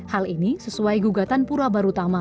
hal ini sesuai gugatan pura barutama